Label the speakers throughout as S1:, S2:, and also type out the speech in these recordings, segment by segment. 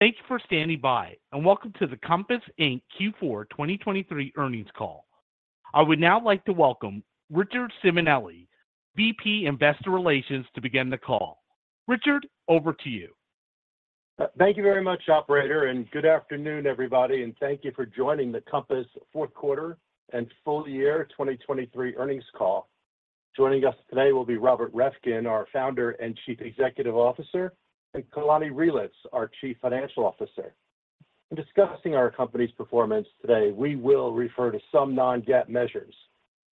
S1: Thank you for standing by, and welcome to the Compass, Inc Q4 2023 earnings call. I would now like to welcome Richard Simonelli, VP Investor Relations, to begin the call. Richard, over to you.
S2: Thank you very much, operator, and good afternoon, everybody, and thank you for joining the Compass fourth quarter and full year 2023 earnings call. Joining us today will be Robert Reffkin, our Founder and Chief Executive Officer, and Kalani Reelitz, our Chief Financial Officer. In discussing our company's performance today, we will refer to some non-GAAP measures.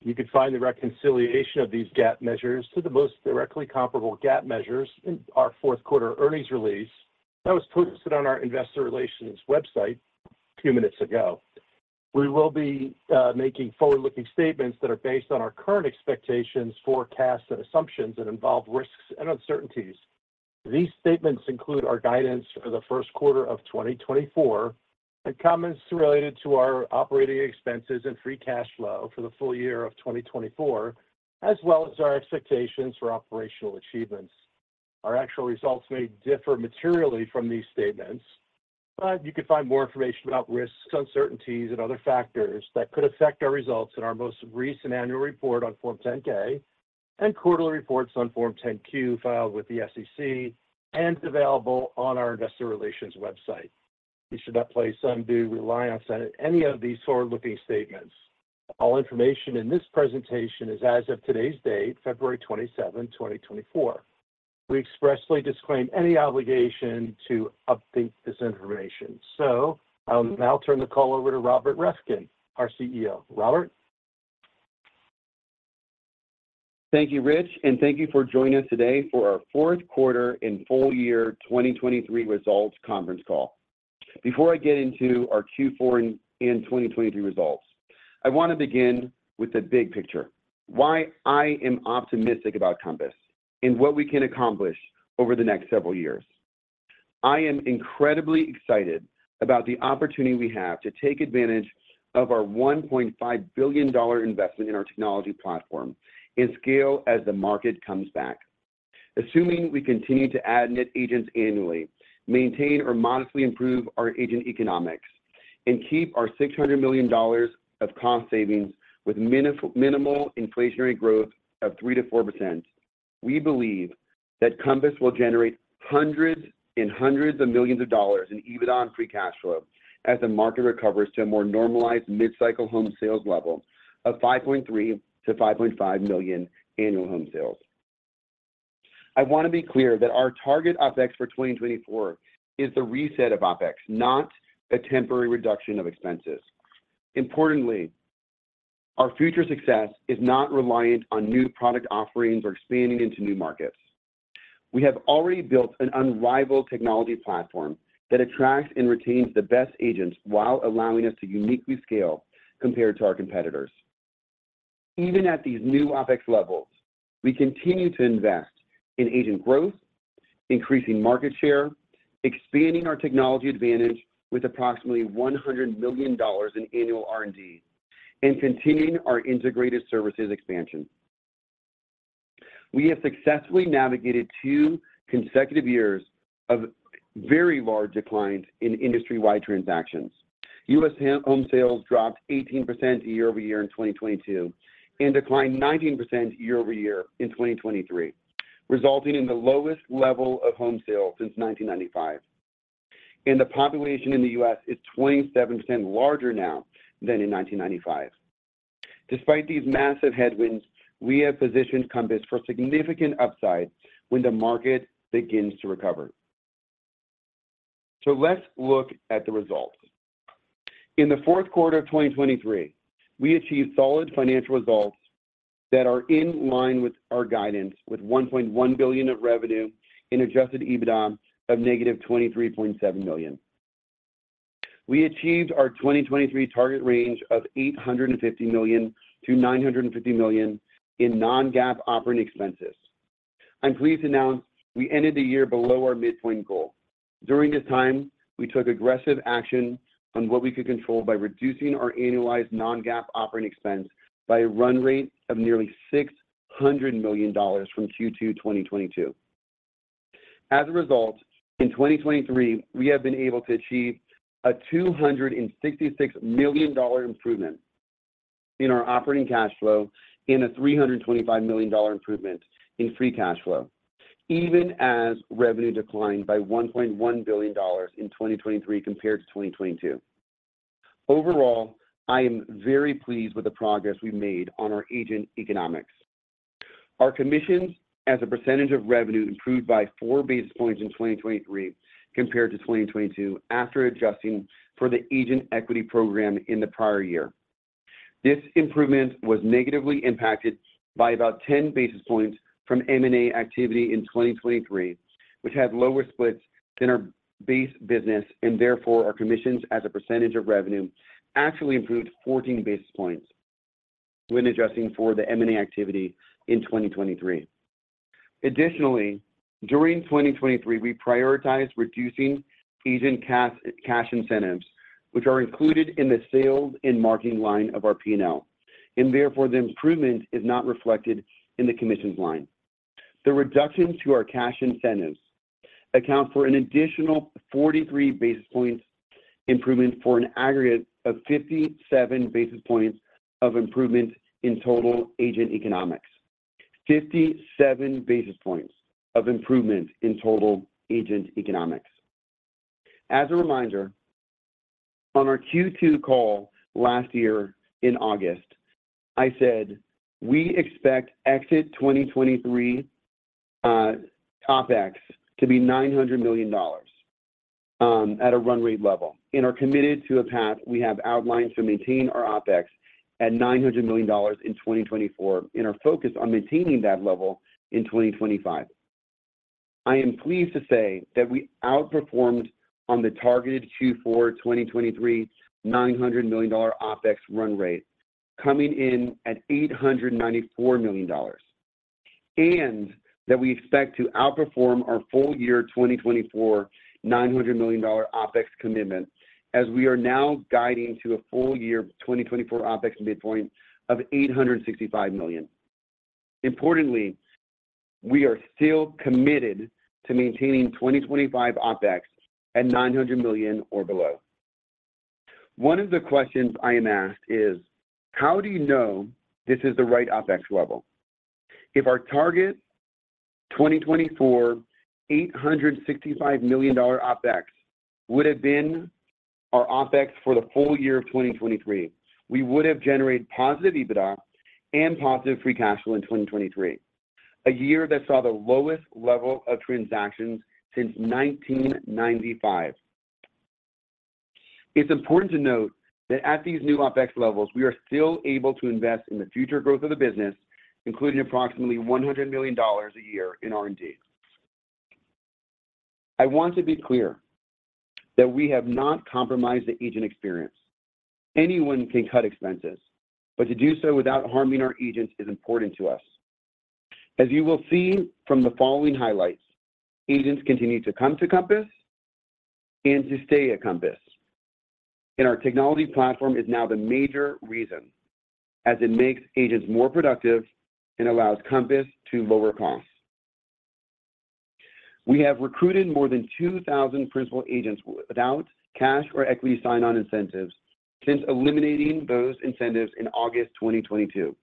S2: You can find the reconciliation of these GAAP measures to the most directly comparable GAAP measures in our fourth quarter earnings release that was posted on our Investor Relations website a few minutes ago. We will be making forward-looking statements that are based on our current expectations, forecasts, and assumptions that involve risks and uncertainties. These statements include our guidance for the first quarter of 2024 and comments related to our operating expenses and free cash flow for the full year of 2024, as well as our expectations for operational achievements. Our actual results may differ materially from these statements, but you can find more information about risks, uncertainties, and other factors that could affect our results in our most recent annual report on Form 10-K and quarterly reports on Form 10-Q filed with the SEC and available on our Investor Relations website. You should not place undue reliance on any of these forward-looking statements. All information in this presentation is as of today's date, February 27th, 2024. We expressly disclaim any obligation to update this information. So I will now turn the call over to Robert Reffkin, our CEO. Robert?
S3: Thank you, Rich, and thank you for joining us today for our fourth quarter and full year 2023 results conference call. Before I get into our Q4 and 2023 results, I want to begin with the big picture: why I am optimistic about Compass and what we can accomplish over the next several years. I am incredibly excited about the opportunity we have to take advantage of our $1.5 billion investment in our technology platform and scale as the market comes back. Assuming we continue to add net agents annually, maintain or modestly improve our agent economics, and keep our $600 million of cost savings with minimal inflationary growth of 3%-4%, we believe that Compass will generate hundreds and hundreds of millions of dollars in EBITDA on free cash flow as the market recovers to a more normalized mid-cycle home sales level of 5.3-5.5 million annual home sales. I want to be clear that our target OpEx for 2024 is the reset of OpEx, not a temporary reduction of expenses. Importantly, our future success is not reliant on new product offerings or expanding into new markets. We have already built an unrivaled technology platform that attracts and retains the best agents while allowing us to uniquely scale compared to our competitors. Even at these new OpEx levels, we continue to invest in agent growth, increasing market share, expanding our technology advantage with approximately $100 million in annual R&D, and continuing our integrated services expansion. We have successfully navigated two consecutive years of very large declines in industry-wide transactions. U.S. home sales dropped 18% year-over-year in 2022 and declined 19% year-over-year in 2023, resulting in the lowest level of home sales since 1995. The population in the U.S. is 27% larger now than in 1995. Despite these massive headwinds, we have positioned Compass for significant upside when the market begins to recover. Let's look at the results. In the fourth quarter of 2023, we achieved solid financial results that are in line with our guidance with $1.1 billion of revenue and Adjusted EBITDA of -$23.7 million. We achieved our 2023 target range of $850 million-$950 million in non-GAAP operating expenses. I'm pleased to announce we ended the year below our midpoint goal. During this time, we took aggressive action on what we could control by reducing our annualized non-GAAP operating expense by a run rate of nearly $600 million from Q2 2022. As a result, in 2023, we have been able to achieve a $266 million improvement in our operating cash flow and a $325 million improvement in free cash flow, even as revenue declined by $1.1 billion in 2023 compared to 2022. Overall, I am very pleased with the progress we've made on our agent economics. Our commissions as a percentage of revenue improved by four basis points in 2023 compared to 2022 after adjusting for the agent equity program in the prior year. This improvement was negatively impacted by about 10 basis points from M&A activity in 2023, which had lower splits than our base business, and therefore our commissions as a percentage of revenue actually improved 14 basis points when adjusting for the M&A activity in 2023. Additionally, during 2023, we prioritized reducing agent cash incentives, which are included in the sales and marketing line of our P&L, and therefore the improvement is not reflected in the commissions line. The reduction to our cash incentives accounts for an additional 43 basis points improvement for an aggregate of 57 basis points of improvement in total agent economics. 57 basis points of improvement in total agent economics. As a reminder, on our Q2 call last year in August, I said, "We expect exit 2023 OpEx to be $900 million at a run rate level," and are committed to a path we have outlined to maintain our OpEx at $900 million in 2024 and our focus on maintaining that level in 2025. I am pleased to say that we outperformed on the targeted Q4 2023 $900 million OpEx run rate, coming in at $894 million, and that we expect to outperform our full year 2024 $900 million OpEx commitment as we are now guiding to a full year 2024 OpEx midpoint of $865 million. Importantly, we are still committed to maintaining 2025 OpEx at $900 million or below. One of the questions I am asked is, "How do you know this is the right OpEx level?" If our target 2024 $865 million OpEx would have been our OpEx for the full year of 2023, we would have generated positive EBITDA and positive free cash flow in 2023, a year that saw the lowest level of transactions since 1995. It's important to note that at these new OpEx levels, we are still able to invest in the future growth of the business, including approximately $100 million a year in R&D. I want to be clear that we have not compromised the agent experience. Anyone can cut expenses, but to do so without harming our agents is important to us. As you will see from the following highlights, agents continue to come to Compass and to stay at Compass, and our technology platform is now the major reason as it makes agents more productive and allows Compass to lower costs. We have recruited more than 2,000 principal agents without cash or equity sign-on incentives since eliminating those incentives in August 2022.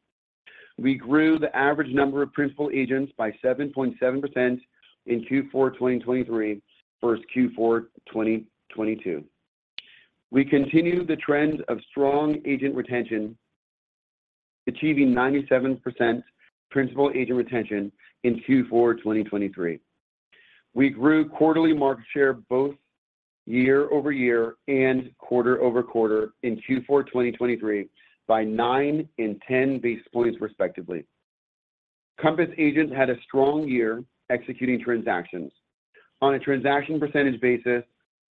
S3: We grew the average number of principal agents by 7.7% in Q4 2023 versus Q4 2022. We continue the trend of strong agent retention, achieving 97% principal agent retention in Q4 2023. We grew quarterly market share both year-over-year and quarter-over-quarter in Q4 2023 by 9 and 10 basis points, respectively. Compass agents had a strong year executing transactions. On a transaction percentage basis,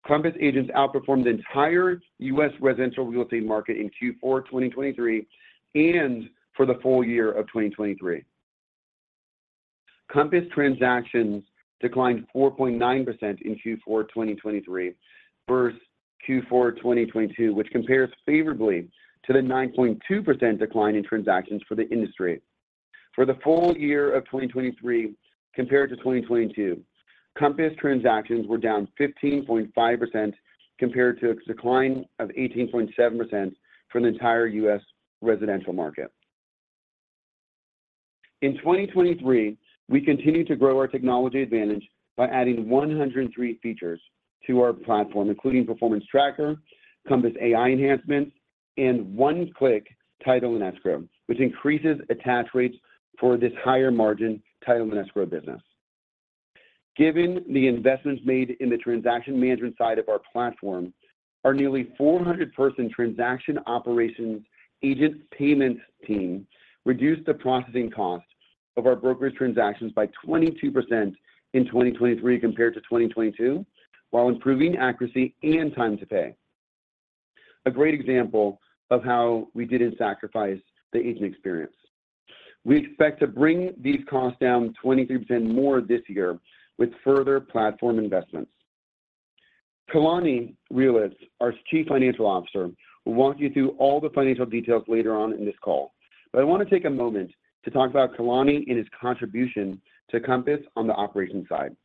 S3: Compass agents outperformed the entire U.S. residential real estate market in Q4 2023 and for the full year of 2023. Compass transactions declined 4.9% in Q4 2023 versus Q4 2022, which compares favorably to the 9.2% decline in transactions for the industry. For the full year of 2023 compared to 2022, Compass transactions were down 15.5% compared to a decline of 18.7% for the entire U.S. residential market. In 2023, we continued to grow our technology advantage by adding 103 features to our platform, including Performance Tracker, Compass AI enhancements, and One-Click Title and Escrow, which increases attach rates for this higher margin title and escrow business. Given the investments made in the transaction management side of our platform, our nearly 400-person transaction operations agent payments team reduced the processing cost of our brokerage transactions by 22% in 2023 compared to 2022 while improving accuracy and time to pay, a great example of how we didn't sacrifice the agent experience. We expect to bring these costs down 23% more this year with further platform investments. Kalani Reelitz, our Chief Financial Officer, will walk you through all the financial details later on in this call, but I want to take a moment to talk about Kalani and his contribution to Compass on the operations side.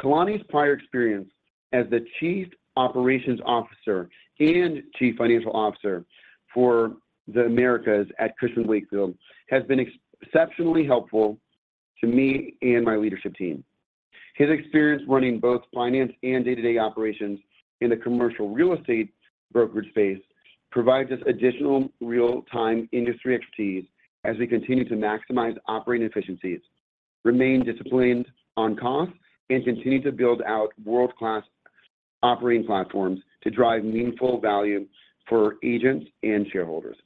S3: Kalani's prior experience as the Chief Operations Officer and Chief Financial Officer for the Americas at Cushman & Wakefield has been exceptionally helpful to me and my leadership team. His experience running both finance and day-to-day operations in the commercial real estate brokerage space provides us additional real-time industry expertise as we continue to maximize operating efficiencies, remain disciplined on costs, and continue to build out world-class operating platforms to drive meaningful value for agents and shareholders.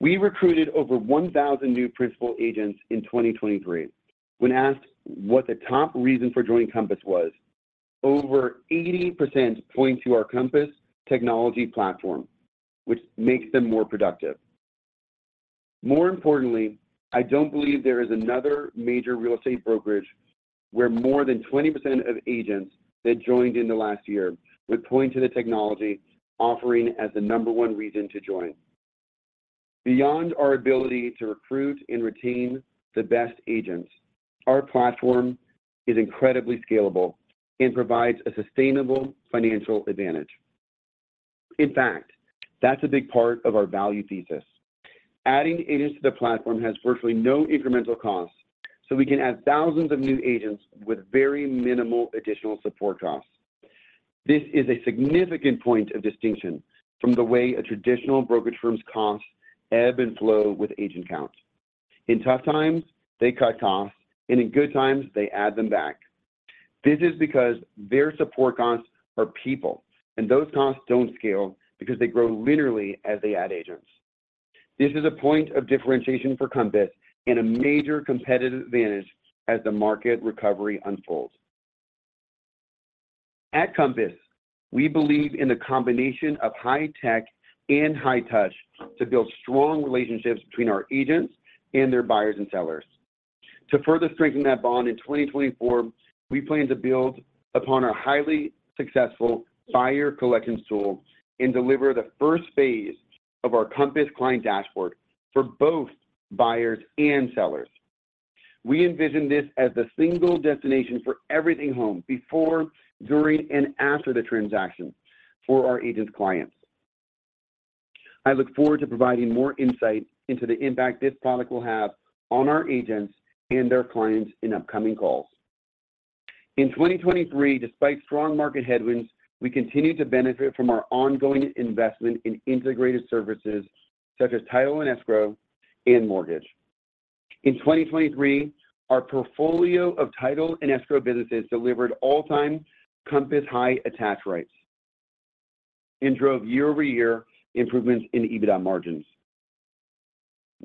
S3: We recruited over 1,000 new principal agents in 2023. When asked what the top reason for joining Compass was, over 80% point to our Compass technology platform, which makes them more productive. More importantly, I don't believe there is another major real estate brokerage where more than 20% of agents that joined in the last year would point to the technology offering as the number one reason to join. Beyond our ability to recruit and retain the best agents, our platform is incredibly scalable and provides a sustainable financial advantage. In fact, that's a big part of our value thesis. Adding agents to the platform has virtually no incremental costs, so we can add thousands of new agents with very minimal additional support costs. This is a significant point of distinction from the way a traditional brokerage firm's costs ebb and flow with agent count. In tough times, they cut costs, and in good times, they add them back. This is because their support costs are people, and those costs don't scale because they grow linearly as they add agents. This is a point of differentiation for Compass and a major competitive advantage as the market recovery unfolds. At Compass, we believe in the combination of high tech and high touch to build strong relationships between our agents and their buyers and sellers. To further strengthen that bond in 2024, we plan to build upon our highly successful buyer Collections tool and deliver the first phase of our Compass client dashboard for both buyers and sellers. We envision this as the single destination for everything home before, during, and after the transaction for our agents' clients. I look forward to providing more insight into the impact this product will have on our agents and their clients in upcoming calls. In 2023, despite strong market headwinds, we continue to benefit from our ongoing investment in integrated services such as title and escrow and mortgage. In 2023, our portfolio of title and escrow businesses delivered all-time Compass high attach rates and drove year-over-year improvements in EBITDA margins.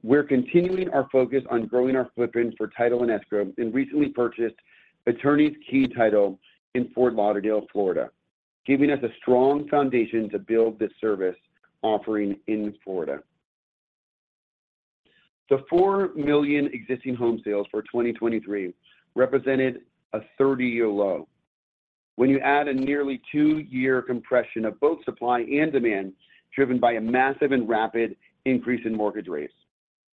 S3: We're continuing our focus on growing our footprint for title and escrow and recently purchased Attorney's Key Title in Fort Lauderdale, Florida, giving us a strong foundation to build this service offering in Florida. The 4 million existing home sales for 2023 represented a 30-year low when you add a nearly two-year compression of both supply and demand driven by a massive and rapid increase in mortgage rates.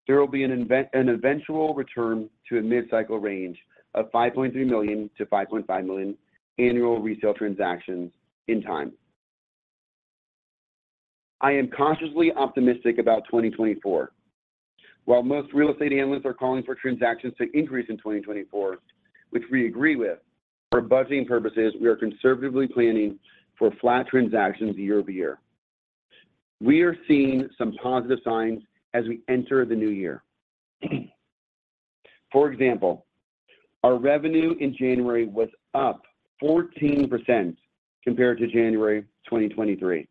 S3: There will be an eventual return to a mid-cycle range of 5.3 million-5.5 million annual resale transactions in time. I am consciously optimistic about 2024. While most real estate analysts are calling for transactions to increase in 2024, which we agree with, for budgeting purposes, we are conservatively planning for flat transactions year-over-year. We are seeing some positive signs as we enter the new year. For example, our revenue in January was up 14% compared to January 2023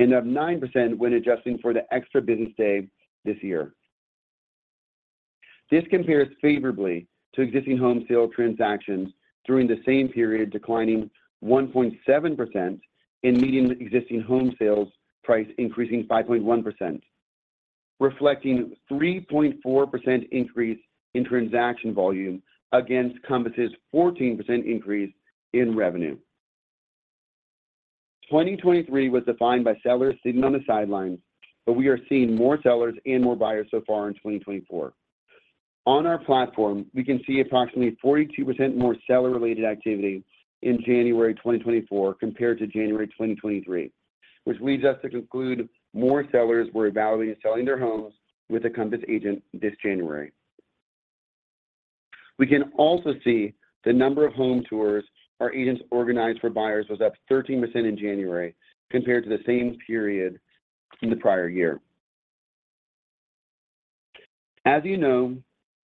S3: and up 9% when adjusting for the extra business day this year. This compares favorably to existing-home sales transactions during the same period declining 1.7% and median existing-home sales price increasing 5.1%, reflecting a 3.4% increase in transaction volume against Compass's 14% increase in revenue. 2023 was defined by sellers sitting on the sidelines, but we are seeing more sellers and more buyers so far in 2024. On our platform, we can see approximately 42% more seller-related activity in January 2024 compared to January 2023, which leads us to conclude more sellers were evaluating selling their homes with a Compass agent this January. We can also see the number of home tours our agents organized for buyers was up 13% in January compared to the same period in the prior year. As you know,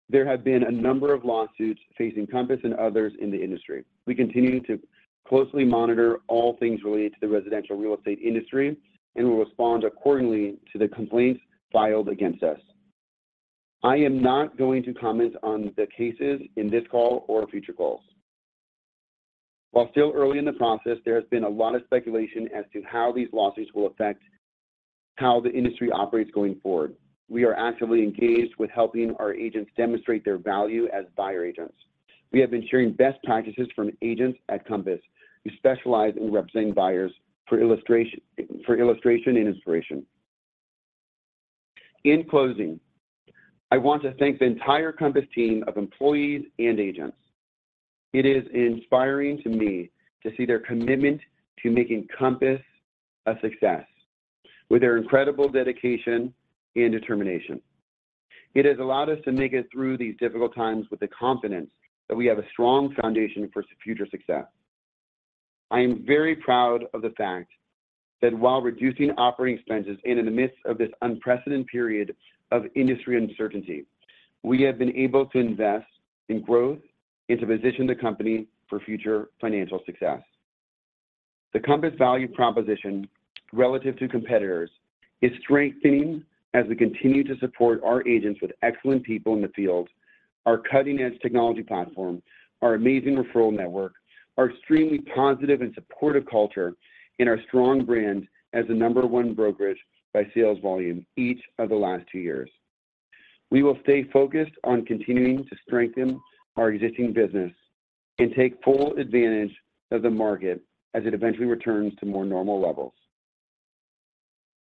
S3: there have been a number of lawsuits facing Compass and others in the industry. We continue to closely monitor all things related to the residential real estate industry and will respond accordingly to the complaints filed against us. I am not going to comment on the cases in this call or future calls. While still early in the process, there has been a lot of speculation as to how these lawsuits will affect how the industry operates going forward. We are actively engaged with helping our agents demonstrate their value as buyer agents. We have been sharing best practices from agents at Compass who specialize in representing buyers for illustration and inspiration. In closing, I want to thank the entire Compass team of employees and agents. It is inspiring to me to see their commitment to making Compass a success with their incredible dedication and determination. It has allowed us to make it through these difficult times with the confidence that we have a strong foundation for future success. I am very proud of the fact that while reducing operating expenses and in the midst of this unprecedented period of industry uncertainty, we have been able to invest in growth and to position the company for future financial success. The Compass value proposition relative to competitors is strengthening as we continue to support our agents with excellent people in the field, our cutting-edge technology platform, our amazing referral network, our extremely positive and supportive culture, and our strong brand as the number one brokerage by sales volume each of the last two years. We will stay focused on continuing to strengthen our existing business and take full advantage of the market as it eventually returns to more normal levels.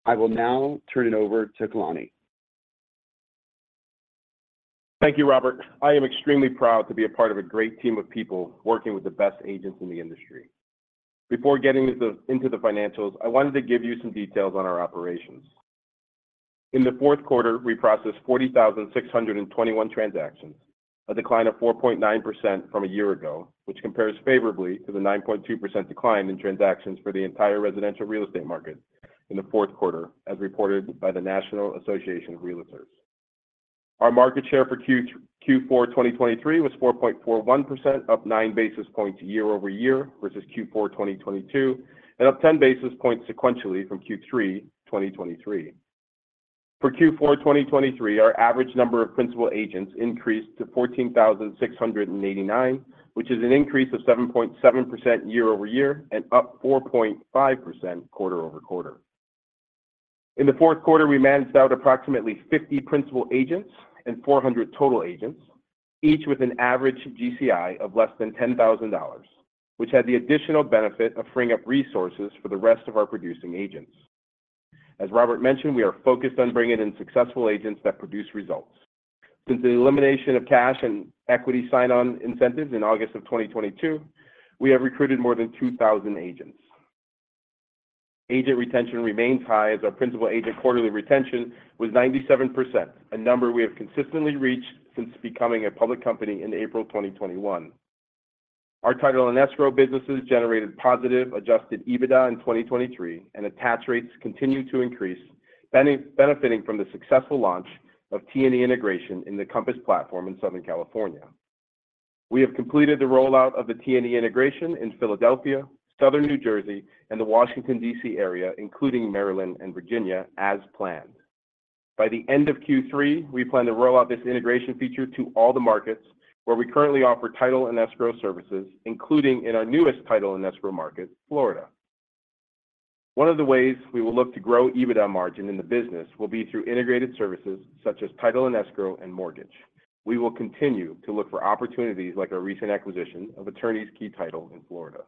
S3: I will now turn it over to Kalani.
S4: Thank you, Robert. I am extremely proud to be a part of a great team of people working with the best agents in the industry. Before getting into the financials, I wanted to give you some details on our operations. In the fourth quarter, we processed 40,621 transactions, a decline of 4.9% from a year ago, which compares favorably to the 9.2% decline in transactions for the entire residential real estate market in the fourth quarter, as reported by the National Association of Realtors. Our market share for Q4 2023 was 4.41%, up 9 basis points year-over-year versus Q4 2022, and up 10 basis points sequentially from Q3 2023. For Q4 2023, our average number of principal agents increased to 14,689, which is an increase of 7.7% year-over-year and up 4.5% quarter-over-quarter. In the fourth quarter, we managed out approximately 50 Principal Agents and 400 total agents, each with an average GCI of less than $10,000, which had the additional benefit of freeing up resources for the rest of our producing agents. As Robert mentioned, we are focused on bringing in successful agents that produce results. Since the elimination of cash and equity sign-on incentives in August of 2022, we have recruited more than 2,000 agents. Agent retention remains high as our Principal Agent quarterly retention was 97%, a number we have consistently reached since becoming a public company in April 2021. Our title and escrow businesses generated positive Adjusted EBITDA in 2023, and attach rates continue to increase, benefiting from the successful launch of T&E integration in the Compass Platform in Southern California. We have completed the rollout of the T&E integration in Philadelphia, Southern New Jersey, and the Washington, D.C. area, including Maryland and Virginia, as planned. By the end of Q3, we plan to roll out this integration feature to all the markets where we currently offer title and escrow services, including in our newest title and escrow market, Florida. One of the ways we will look to grow EBITDA margin in the business will be through integrated services such as title and escrow and mortgage. We will continue to look for opportunities like our recent acquisition of Attorney's Key Title in Florida.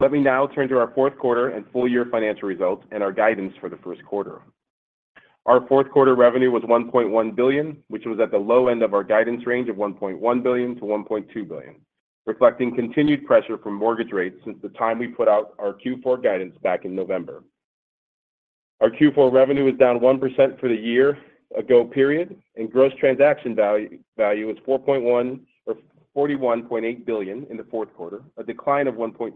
S4: Let me now turn to our fourth quarter and full-year financial results and our guidance for the first quarter. Our fourth quarter revenue was $1.1 billion, which was at the low end of our guidance range of $1.1 billion-$1.2 billion, reflecting continued pressure from mortgage rates since the time we put out our Q4 guidance back in November. Our Q4 revenue is down 1% for the year-ago period, and gross transaction value is $41.8 billion in the fourth quarter, a decline of 1.6%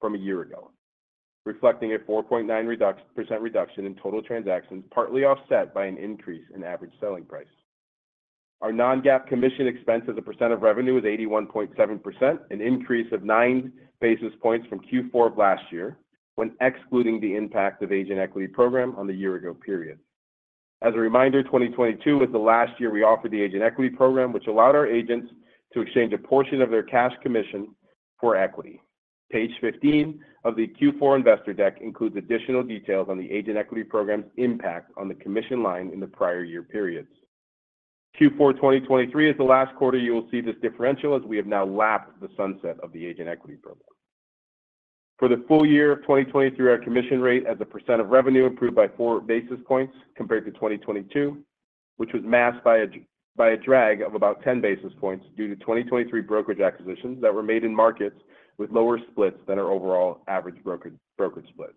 S4: from a year ago, reflecting a 4.9% reduction in total transactions, partly offset by an increase in average selling price. Our non-GAAP commission expense as a % of revenue is 81.7%, an increase of 9 basis points from Q4 of last year when excluding the impact of the agent equity program on the year-ago period. As a reminder, 2022 was the last year we offered the agent equity program, which allowed our agents to exchange a portion of their cash commission for equity. Page 15 of the Q4 investor deck includes additional details on the agent equity program's impact on the commission line in the prior year periods. Q4 2023 is the last quarter you will see this differential as we have now lapped the sunset of the agent equity program. For the full year of 2023, our commission rate as a percent of revenue improved by 4 basis points compared to 2022, which was masked by a drag of about 10 basis points due to 2023 brokerage acquisitions that were made in markets with lower splits than our overall average brokerage split.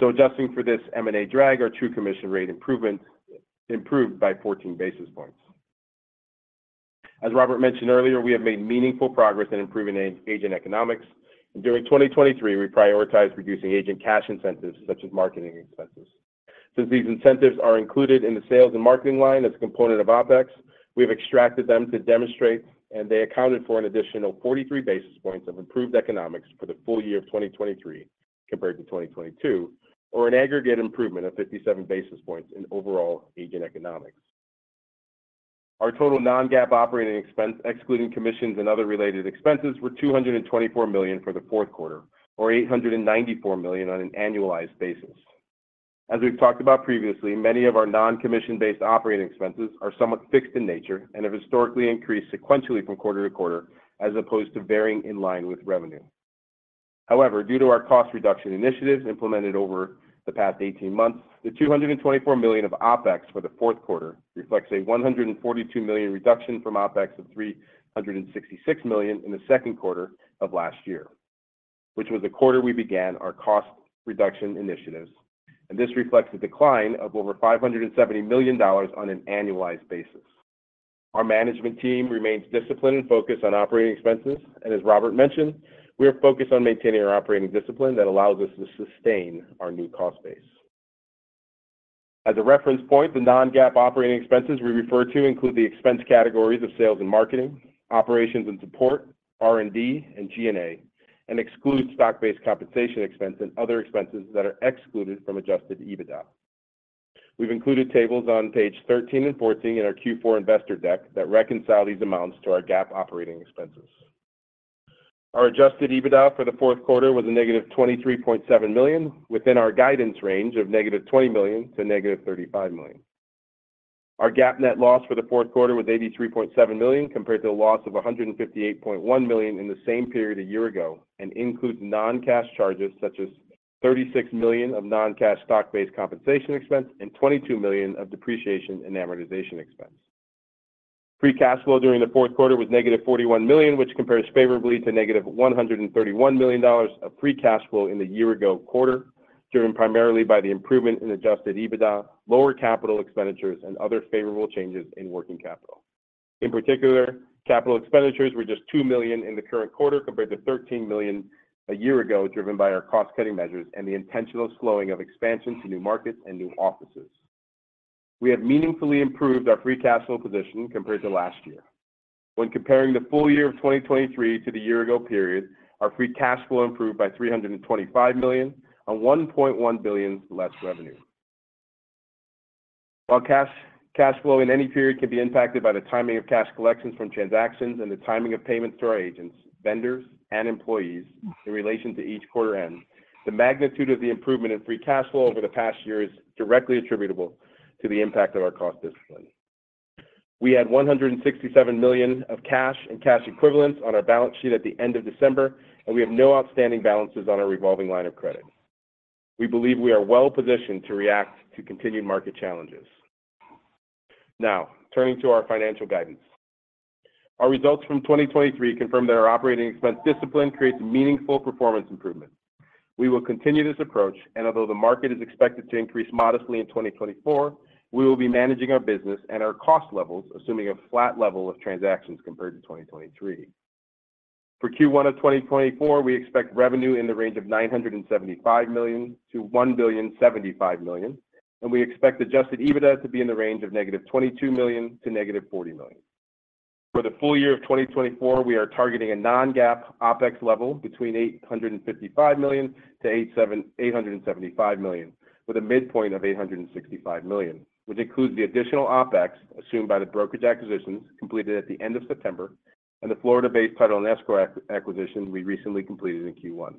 S4: So adjusting for this M&A drag, our true commission rate improved by 14 basis points. As Robert mentioned earlier, we have made meaningful progress in improving agent economics. During 2023, we prioritized reducing agent cash incentives such as marketing expenses. Since these incentives are included in the sales and marketing line as a component of OpEx, we have extracted them to demonstrate, and they accounted for an additional 43 basis points of improved economics for the full year of 2023 compared to 2022, or an aggregate improvement of 57 basis points in overall agent economics. Our total non-GAAP operating expense, excluding commissions and other related expenses, were $224 million for the fourth quarter, or $894 million on an annualized basis. As we've talked about previously, many of our non-commission-based operating expenses are somewhat fixed in nature and have historically increased sequentially from quarter-to-quarter as opposed to varying in line with revenue. However, due to our cost reduction initiatives implemented over the past 18 months, the $224 million of OpEx for the fourth quarter reflects a $142 million reduction from OpEx of $366 million in the second quarter of last year, which was the quarter we began our cost reduction initiatives. This reflects a decline of over $570 million on an annualized basis. Our management team remains disciplined and focused on operating expenses. As Robert mentioned, we are focused on maintaining our operating discipline that allows us to sustain our new cost base. As a reference point, the non-GAAP operating expenses we refer to include the expense categories of sales and marketing, operations and support, R&D, and G&A, and exclude stock-based compensation expense and other expenses that are excluded from Adjusted EBITDA. We've included tables on page 13 and 14 in our Q4 investor deck that reconcile these amounts to our GAAP operating expenses. Our Adjusted EBITDA for the fourth quarter was -$23.7 million within our guidance range of -$20 million to -$35 million. Our GAAP net loss for the fourth quarter was $83.7 million compared to a loss of $158.1 million in the same period a year ago and includes non-cash charges such as $36 million of non-cash Stock-Based Compensation expense and $22 million of depreciation and amortization expense. Free Cash Flow during the fourth quarter was -$41 million, which compares favorably to -$131 million of Free Cash Flow in the year ago quarter, driven primarily by the improvement in Adjusted EBITDA, lower capital expenditures, and other favorable changes in working capital. In particular, capital expenditures were just $2 million in the current quarter compared to $13 million a year ago driven by our cost-cutting measures and the intentional slowing of expansion to new markets and new offices. We have meaningfully improved our free cash flow position compared to last year. When comparing the full year of 2023 to the year ago period, our free cash flow improved by $325 million on $1.1 billion less revenue. While cash flow in any period can be impacted by the timing of cash collections from transactions and the timing of payments to our agents, vendors, and employees in relation to each quarter end, the magnitude of the improvement in free cash flow over the past year is directly attributable to the impact of our cost discipline. We had $167 million of cash and cash equivalents on our balance sheet at the end of December, and we have no outstanding balances on our revolving line of credit. We believe we are well positioned to react to continued market challenges. Now, turning to our financial guidance. Our results from 2023 confirm that our operating expense discipline creates meaningful performance improvements. We will continue this approach, and although the market is expected to increase modestly in 2024, we will be managing our business and our cost levels, assuming a flat level of transactions compared to 2023. For Q1 of 2024, we expect revenue in the range of $975 million to $1.075 billion, and we expect Adjusted EBITDA to be in the range of -$22 million to -$40 million. For the full year of 2024, we are targeting a non-GAAP OpEx level between $855 million-$875 million, with a midpoint of $865 million, which includes the additional OpEx assumed by the brokerage acquisitions completed at the end of September and the Florida-based title and escrow acquisition we recently completed in Q1.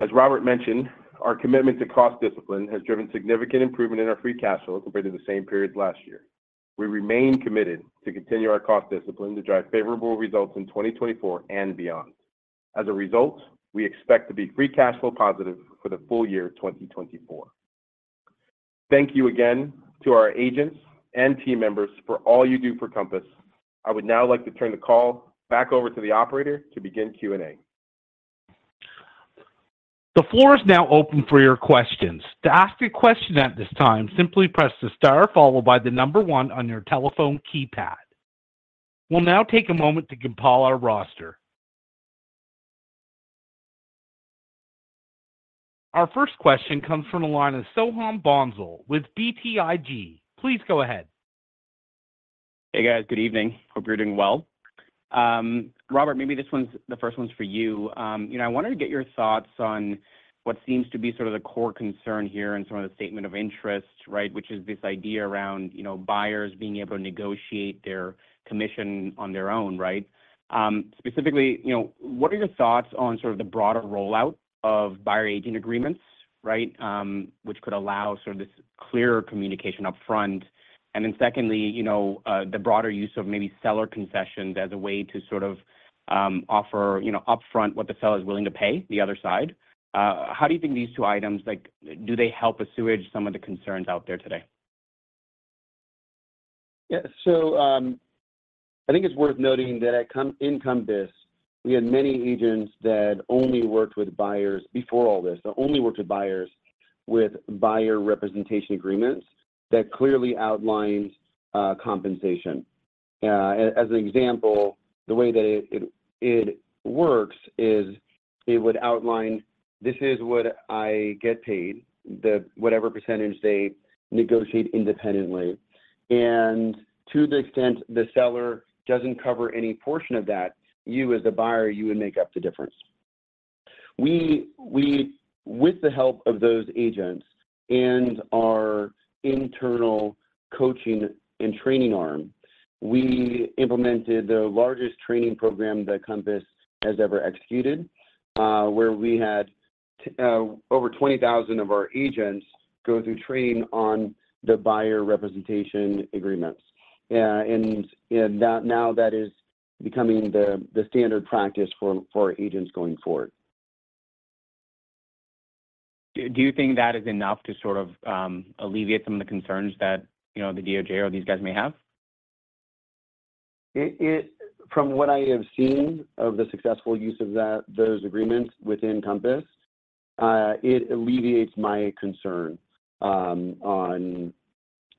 S4: As Robert mentioned, our commitment to cost discipline has driven significant improvement in our free cash flow compared to the same period last year. We remain committed to continue our cost discipline to drive favorable results in 2024 and beyond. As a result, we expect to be free cash flow positive for the full year 2024. Thank you again to our agents and team members for all you do for Compass. I would now like to turn the call back over to the operator to begin Q&A.
S1: The floor is now open for your questions. To ask a question at this time, simply press the star followed by the number one on your telephone keypad. We'll now take a moment to compile our roster. Our first question comes from a line of Soham Bhonsle with BTIG. Please go ahead.
S5: Hey, guys. Good evening. Hope you're doing well. Robert, maybe this one's the first one's for you. I wanted to get your thoughts on what seems to be sort of the core concern here and some of the statement of interest, which is this idea around buyers being able to negotiate their commission on their own. Specifically, what are your thoughts on sort of the broader rollout of buyer-agent agreements, which could allow sort of this clearer communication upfront? And then secondly, the broader use of maybe seller concessions as a way to sort of offer upfront what the seller is willing to pay the other side. How do you think these two items, do they help assuage some of the concerns out there today?
S3: Yeah. So I think it's worth noting that in Compass, we had many agents that only worked with buyers before all this, that only worked with buyers with buyer representation agreements that clearly outlined compensation. As an example, the way that it works is it would outline, "This is what I get paid, whatever percentage they negotiate independently. And to the extent the seller doesn't cover any portion of that, you as the buyer, you would make up the difference." With the help of those agents and our internal coaching and training arm, we implemented the largest training program that Compass has ever executed, where we had over 20,000 of our agents go through training on the buyer representation agreements. And now that is becoming the standard practice for our agents going forward.
S5: Do you think that is enough to sort of alleviate some of the concerns that the DOJ or these guys may have?
S3: From what I have seen of the successful use of those agreements within Compass, it alleviates my concern on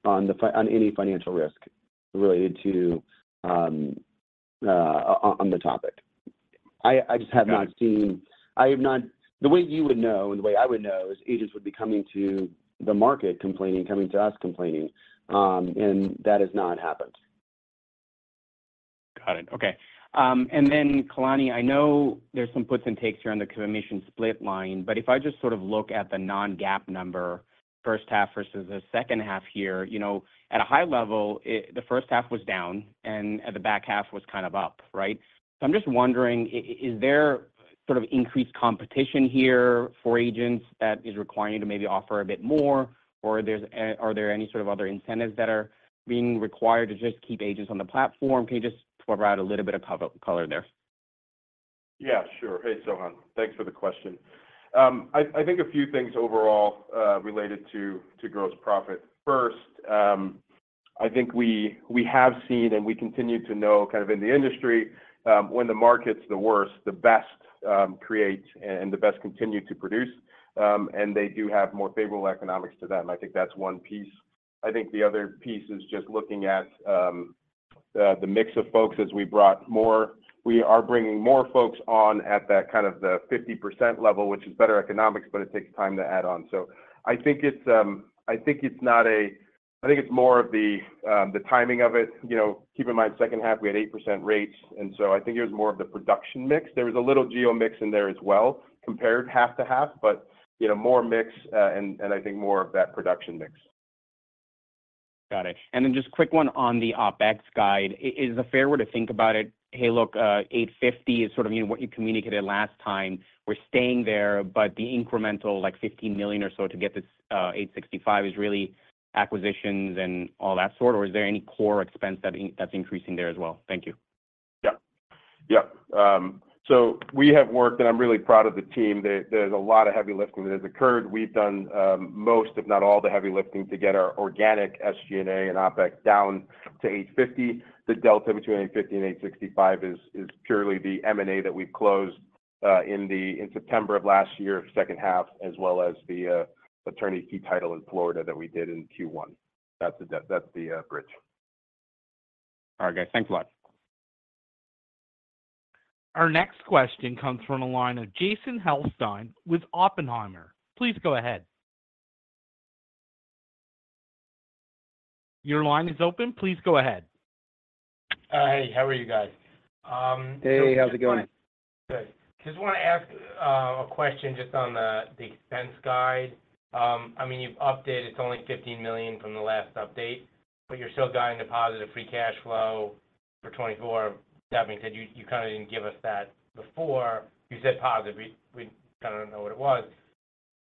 S3: any financial risk related to on the topic. I just have not seen the way you would know and the way I would know is agents would be coming to the market complaining, coming to us complaining. That has not happened.
S5: Got it. Okay. And then, Kalani, I know there's some puts and takes here on the commission split line, but if I just sort of look at the non-GAAP number, first half versus the second half here, at a high level, the first half was down and the back half was kind of up. So I'm just wondering, is there sort of increased competition here for agents that is requiring you to maybe offer a bit more, or are there any sort of other incentives that are being required to just keep agents on the platform? Can you just throw out a little bit of color there?
S4: Yeah, sure. Hey, Soham. Thanks for the question. I think a few things overall related to gross profit. First, I think we have seen and we continue to know kind of in the industry, when the market's the worst, the best create and the best continue to produce. And they do have more favorable economics to them. I think that's one piece. I think the other piece is just looking at the mix of folks as we brought more we are bringing more folks on at kind of the 50% level, which is better economics, but it takes time to add on. So I think it's not a I think it's more of the timing of it. Keep in mind, second half, we had 8% rates. And so I think it was more of the production mix. There was a little geo mix in there as well, compared half-to-half, but more mix, and I think more of that production mix.
S5: Got it. And then just quick one on the OpEx guide. Is it fair to think about it, "Hey, look, $850 million is sort of what you communicated last time. We're staying there, but the incremental like $15 million or so to get this $865 million is really acquisitions and all that sort," or is there any core expense that's increasing there as well? Thank you.
S4: Yeah. Yeah. So we have worked, and I'm really proud of the team. There's a lot of heavy lifting that has occurred. We've done most, if not all, the heavy lifting to get our organic SG&A and OpEx down to $850 million. The delta between $850 million and $865 million is purely the M&A that we've closed in September of last year, second half, as well as the Attorney's Key Title in Florida that we did in Q1. That's the bridge.
S5: All right, guys. Thanks a lot.
S1: Our next question comes from a line of Jason Helfstein with Oppenheimer. Please go ahead. Your line is open. Please go ahead.
S6: Hey, how are you guys?
S3: Hey, how's it going?
S6: Good. I just want to ask a question just on the expense guide. I mean, you've updated. It's only $15 million from the last update, but you're still guiding the positive free cash flow for 2024. That being said, you kind of didn't give us that before. You said positive. We kind of don't know what it was.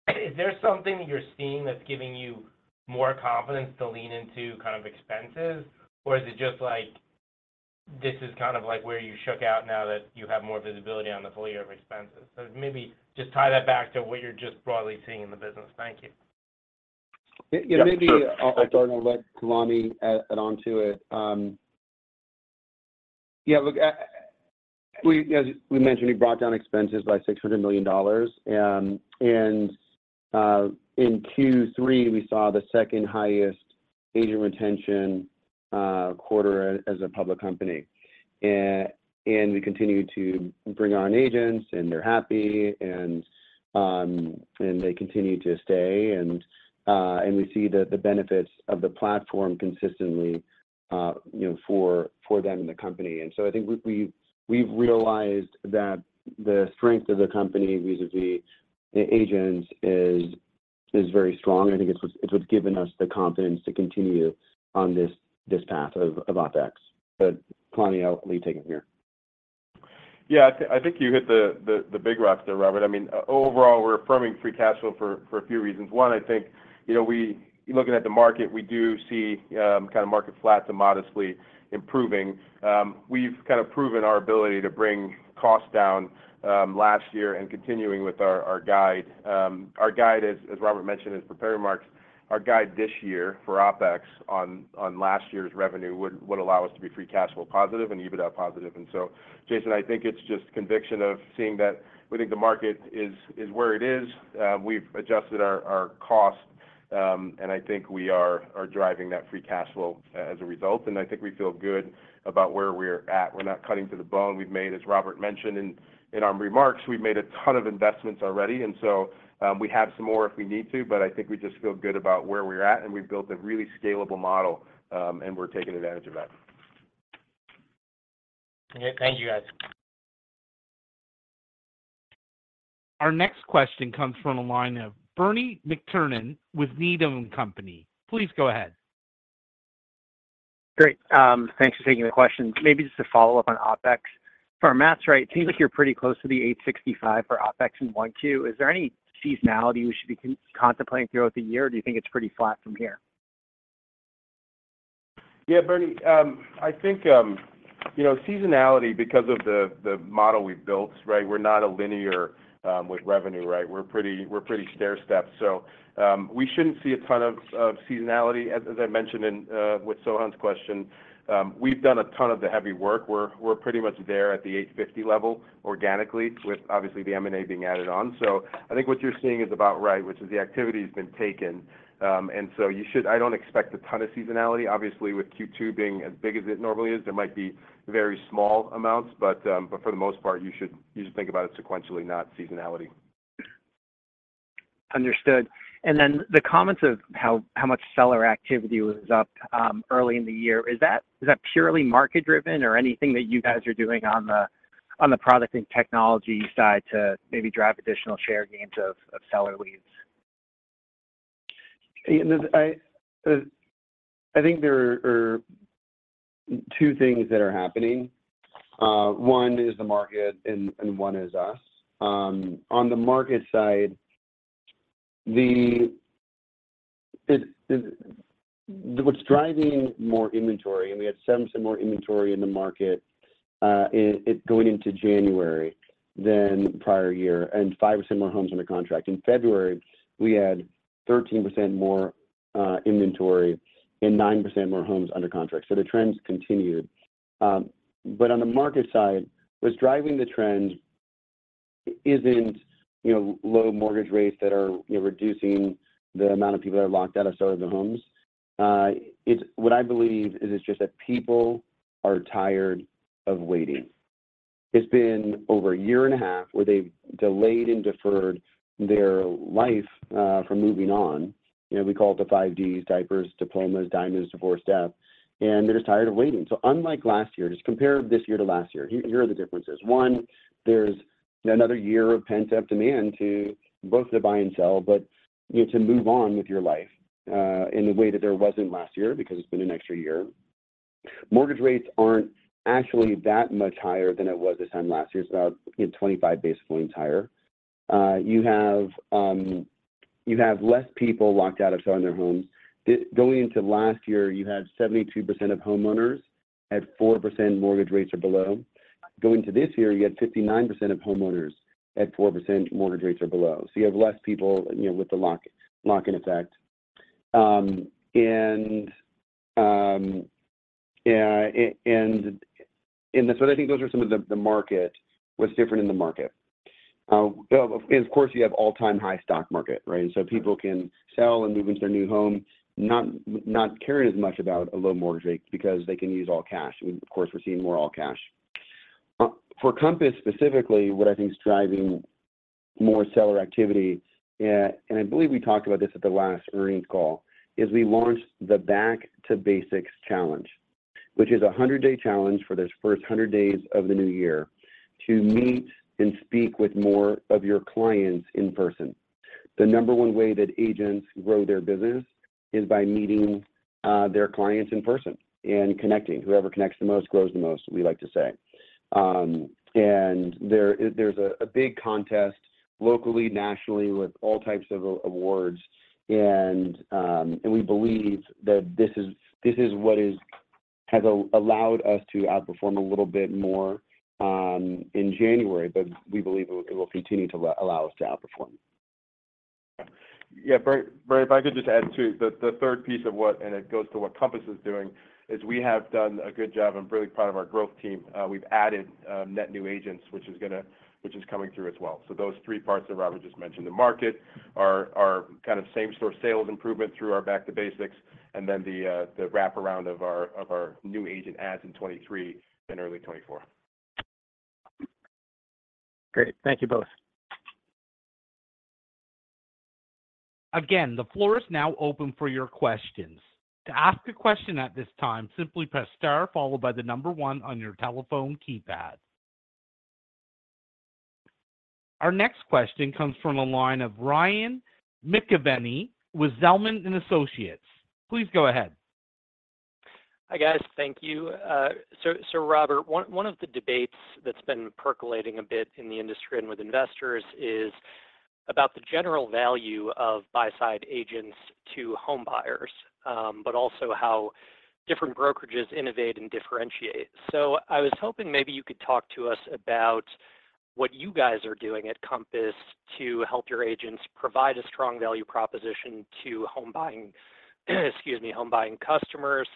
S6: Is there something that you're seeing that's giving you more confidence to lean into kind of expenses, or is it just like this is kind of where you shook out now that you have more visibility on the full year of expenses? So maybe just tie that back to what you're just broadly seeing in the business. Thank you.
S3: Yeah, maybe I'll start and let Kalani add on to it. Yeah, look, as we mentioned, we brought down expenses by $600 million. In Q3, we saw the second-highest agent retention quarter as a public company. We continue to bring on agents, and they're happy, and they continue to stay. We see the benefits of the platform consistently for them and the company. So I think we've realized that the strength of the company vis-à-vis the agents is very strong. I think it's what's given us the confidence to continue on this path of OpEx. But Kalani, I'll leave taking it here.
S4: Yeah, I think you hit the big rocks there, Robert. I mean, overall, we're affirming free cash flow for a few reasons. One, I think looking at the market, we do see kind of market flat to modestly improving. We've kind of proven our ability to bring costs down last year and continuing with our guide. Our guide, as Robert mentioned, is pre-market. Our guide this year for OpEx on last year's revenue would allow us to be free cash flow positive and EBITDA positive. And so, Jason, I think it's just conviction of seeing that we think the market is where it is. We've adjusted our cost, and I think we are driving that free cash flow as a result. And I think we feel good about where we're at. We're not cutting to the bone. We've made, as Robert mentioned in our remarks, we've made a ton of investments already. And so we have some more if we need to, but I think we just feel good about where we're at. And we've built a really scalable model, and we're taking advantage of that.
S6: Okay. Thank you, guys.
S1: Our next question comes from a line of Bernie McTernan with Needham & Company. Please go ahead.
S7: Great. Thanks for taking the question. Maybe just a follow-up on OpEx. As Matt's right, it seems like you're pretty close to the $865 million for OpEx in 1Q. Is there any seasonality we should be contemplating throughout the year, or do you think it's pretty flat from here?
S4: Yeah, Bernie. I think seasonality because of the model we've built, we're not a linear with revenue. We're pretty stair-stepped. So we shouldn't see a ton of seasonality. As I mentioned with Soham's question, we've done a ton of the heavy work. We're pretty much there at the $850 million level organically with, obviously, the M&A being added on. So I think what you're seeing is about right, which is the activity has been taken. And so I don't expect a ton of seasonality. Obviously, with Q2 being as big as it normally is, there might be very small amounts. But for the most part, you should think about it sequentially, not seasonality.
S7: Understood. And then the comments of how much seller activity was up early in the year, is that purely market-driven or anything that you guys are doing on the product and technology side to maybe drive additional share gains of seller leads?
S3: I think there are two things that are happening. One is the market, and one is us. On the market side, what's driving more inventory, and we had 7% more inventory in the market going into January than prior year and 5% more homes under contract. In February, we had 13% more inventory and 9% more homes under contract. So the trends continued. But on the market side, what's driving the trends isn't low mortgage rates that are reducing the amount of people that are locked out of some of the homes. What I believe is it's just that people are tired of waiting. It's been over a year and a half where they've delayed and deferred their life from moving on. We call it the 5Ds, diapers, diplomas, diamonds, divorce, death. And they're just tired of waiting. So unlike last year, just compare this year to last year. Here are the differences. One, there's another year of pent-up demand to both the buy and sell, but to move on with your life in the way that there wasn't last year because it's been an extra year. Mortgage rates aren't actually that much higher than it was this time last year. It's about 25 basis points higher. You have less people locked out of selling their homes. Going into last year, you had 72% of homeowners at 4% mortgage rates or below. Going into this year, you had 59% of homeowners at 4% mortgage rates or below. So you have less people with the lock-in effect. And that's what I think those are some of the market what's different in the market. And of course, you have all-time high stock market. So people can sell and move into their new home not caring as much about a low mortgage rate because they can use all cash. Of course, we're seeing more all cash. For Compass specifically, what I think is driving more seller activity and I believe we talked about this at the last earnings call is we launched the Back to Basics Challenge, which is a 100-day challenge for those first 100 days of the new year to meet and speak with more of your clients in person. The number one way that agents grow their business is by meeting their clients in person and connecting. Whoever connects the most grows the most, we like to say. There's a big contest locally, nationally with all types of awards. We believe that this is what has allowed us to outperform a little bit more in January, but we believe it will continue to allow us to outperform.
S4: Yeah. Bernie, if I could just add to it, the third piece of what and it goes to what Compass is doing is we have done a good job. I'm really proud of our growth team. We've added net new agents, which is coming through as well. So those three parts that Robert just mentioned, the market, our kind of same-store sales improvement through our Back to Basics, and then the wraparound of our new agent adds in 2023 and early 2024.
S7: Great. Thank you both.
S1: Again, the floor is now open for your questions. To ask a question at this time, simply press star followed by the number one on your telephone keypad. Our next question comes from a line of Ryan McKeveny with Zelman & Associates. Please go ahead.
S8: Hi, guys. Thank you. So Robert, one of the debates that's been percolating a bit in the industry and with investors is about the general value of buy-side agents to homebuyers, but also how different brokerages innovate and differentiate. So I was hoping maybe you could talk to us about what you guys are doing at Compass to help your agents provide a strong value proposition to homebuying customers.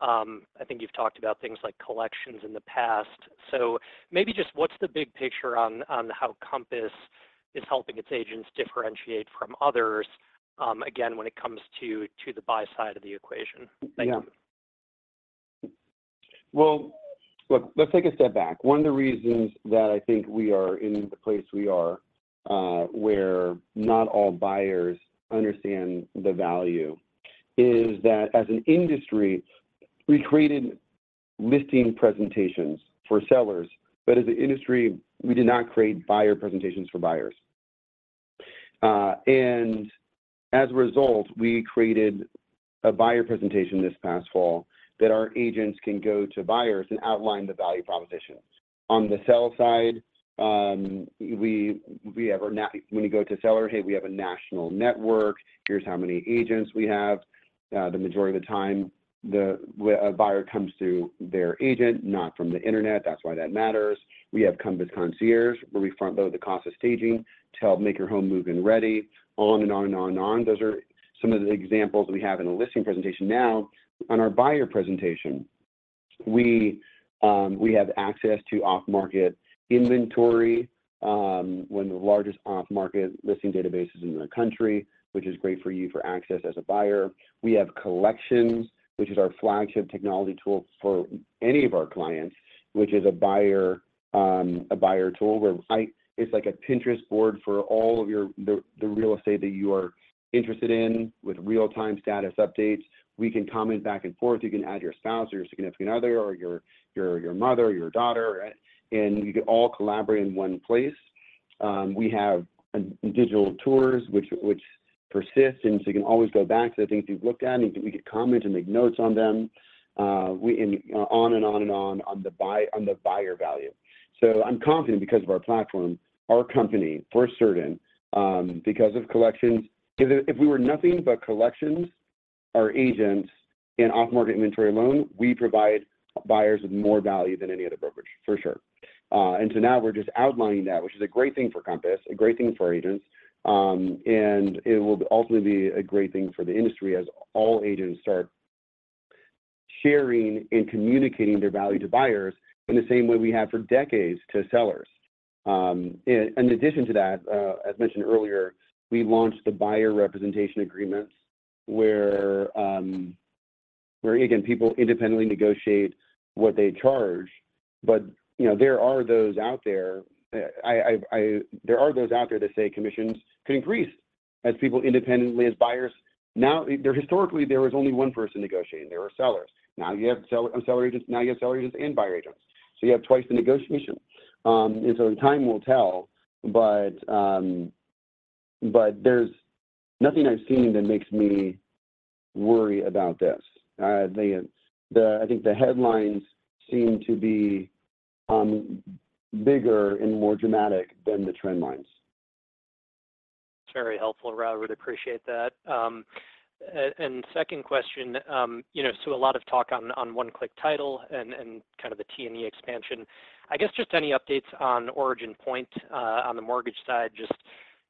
S8: I think you've talked about things like Collections in the past. So maybe just what's the big picture on how Compass is helping its agents differentiate from others, again, when it comes to the buy-side of the equation? Thank you.
S3: Well, look, let's take a step back. One of the reasons that I think we are in the place we are where not all buyers understand the value is that as an industry, we created listing presentations for sellers, but as an industry, we did not create buyer presentations for buyers. And as a result, we created a buyer presentation this past fall that our agents can go to buyers and outline the value proposition. On the sell side, when you go to seller, "Hey, we have a national network. Here's how many agents we have." The majority of the time, a buyer comes through their agent, not from the internet. That's why that matters. We have Compass Concierge where we front the cost of staging to help make your home move-in ready. On and on and on and on. Those are some of the examples that we have in a listing presentation. Now, on our buyer presentation, we have access to off-market inventory, one of the largest off-market listing databases in the country, which is great for you for access as a buyer. We have Collections, which is our flagship technology tool for any of our clients, which is a buyer tool where it's like a Pinterest board for all of the real estate that you are interested in with real-time status updates. We can comment back and forth. You can add your spouse or your significant other or your mother, your daughter, and you can all collaborate in one place. We have digital tours, which persist, and so you can always go back to the things you've looked at, and we can comment and make notes on them and on and on and on on the buyer value. So I'm confident because of our platform, our company, for certain, because of Collections, if we were nothing but Collections, our agents, and off-market inventory alone, we provide buyers with more value than any other brokerage, for sure. And so now we're just outlining that, which is a great thing for Compass, a great thing for agents, and it will ultimately be a great thing for the industry as all agents start sharing and communicating their value to buyers in the same way we have for decades to sellers. In addition to that, as mentioned earlier, we launched the buyer representation agreements where, again, people independently negotiate what they charge. But there are those out there that say commissions could increase as people independently, as buyers. Now, historically, there was only one person negotiating. There were sellers. Now you have seller agents and buyer agents. So you have twice the negotiation. And so time will tell, but there's nothing I've seen that makes me worry about this. I think the headlines seem to be bigger and more dramatic than the trend lines.
S8: Very helpful, Robert. Appreciate that. And second question, so a lot of talk on one-click title and kind of the T&E expansion. I guess just any updates on OriginPoint on the mortgage side, just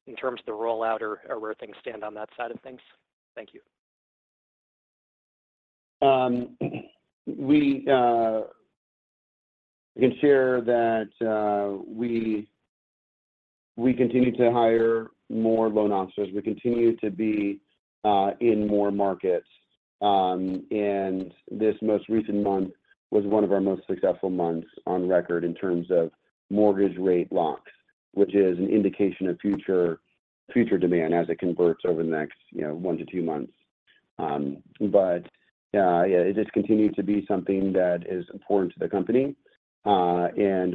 S8: in terms of the rollout or where things stand on that side of things. Thank you.
S3: We can share that we continue to hire more loan officers. We continue to be in more markets. This most recent month was one of our most successful months on record in terms of mortgage rate locks, which is an indication of future demand as it converts over the next one-two months. But yeah, it just continues to be something that is important to the company.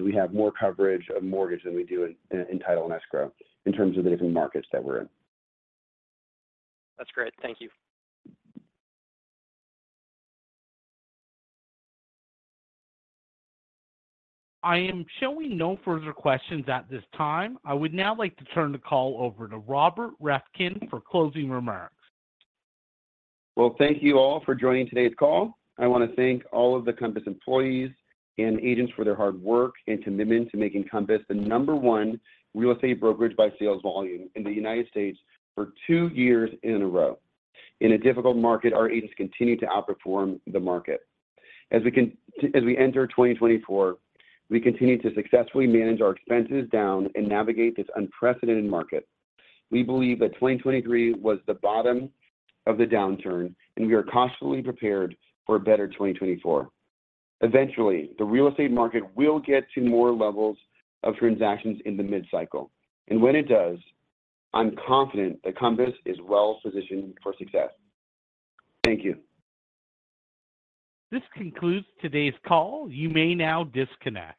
S3: We have more coverage of mortgage than we do in title and escrow in terms of the different markets that we're in.
S8: That's great. Thank you.
S1: I am showing no further questions at this time. I would now like to turn the call over to Robert Reffkin for closing remarks.
S3: Well, thank you all for joining today's call. I want to thank all of the Compass employees and agents for their hard work and commitment to making Compass the number one real estate brokerage by sales volume in the United States for two years in a row. In a difficult market, our agents continue to outperform the market. As we enter 2024, we continue to successfully manage our expenses down and navigate this unprecedented market. We believe that 2023 was the bottom of the downturn, and we are closely prepared for a better 2024. Eventually, the real estate market will get to normal levels of transactions in the midcycle. When it does, I'm confident that Compass is well-positioned for success. Thank you.
S1: This concludes today's call. You may now disconnect.